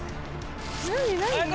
何何？